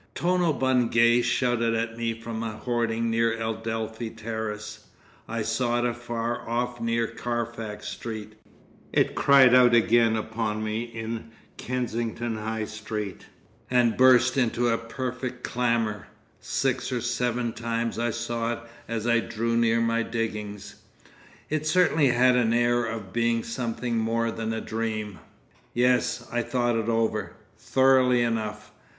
Tono Bungay shouted at me from a hoarding near Adelphi Terrace; I saw it afar off near Carfax Street; it cried out again upon me in Kensington High Street, and burst into a perfect clamour; six or seven times I saw it as I drew near my diggings. It certainly had an air of being something more than a dream. Yes, I thought it over—thoroughly enough....